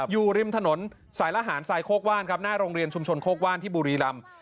อยู่ริมถนนสายละหารทรายโคกว่านครับหน้าโรงเรียนชุมชนโคกว่านที่บุรีรำ